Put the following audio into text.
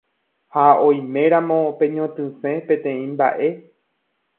Ha oiméramo peñotỹse peteĩ mba'e